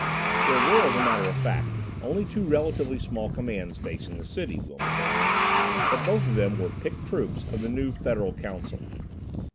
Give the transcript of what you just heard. There were, as a matter of fact, only two relatively small commands facing the city, Wilma told me, but both of them were picked troops of the new Federal Council.